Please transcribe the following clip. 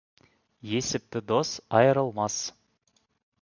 Есепті дос айрылмас.